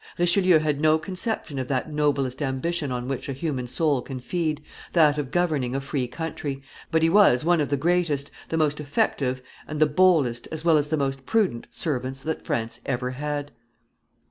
Richelieu had no conception of that noblest ambition on which a human soul can feed, that of governing a free country, but he was one of the greatest, the most effective, and the boldest, as well as the most prudent servants that France ever had.